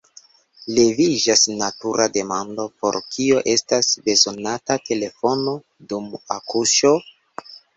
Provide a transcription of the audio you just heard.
Leviĝas natura demando: por kio estas bezonata telefono dum akuŝo?